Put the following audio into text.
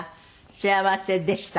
「幸せでした」。